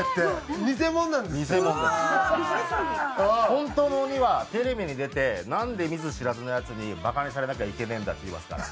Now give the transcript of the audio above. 本当の鬼は「テレビに出てなんで見ず知らずのヤツにバカにされなきゃいけねえんだ」って言いますから。